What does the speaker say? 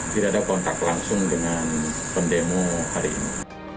tidak ada kontak langsung dengan pendemo hari ini